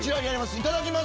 いただきます！